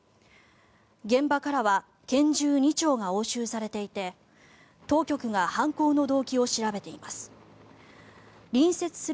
現場からは拳銃２丁が押収されていて当局が犯行の動機を調べています。